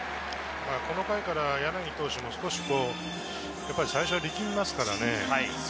この回から柳投手も少し最初は力みますからね。